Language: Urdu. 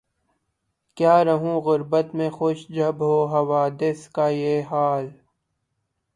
کیا رہوں غربت میں خوش جب ہو حوادث کا یہ حال